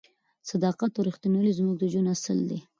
صداقت او رښتینولي زموږ د ژوند اصل دی.